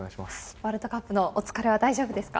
ワールドカップのお疲れは大丈夫ですか？